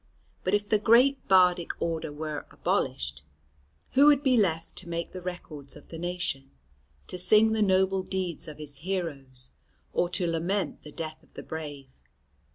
But if the great Bardic order were abolished, who would be left to make the records of the nation, to sing the noble deeds of its heroes or to lament the death of the brave?